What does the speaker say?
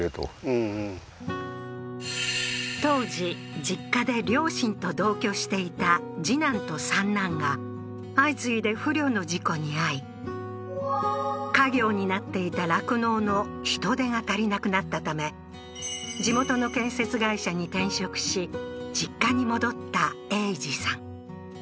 うんうん当時実家で両親と同居していた次男と三男が相次いで不慮の事故に遭い家業になっていた酪農の人手が足りなくなったため地元の建設会社に転職し実家に戻った栄治さん